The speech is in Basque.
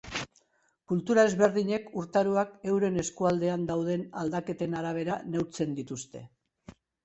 Kultura ezberdinek urtaroak euren eskualdean dauden aldaketen arabera neurtzen dituzte.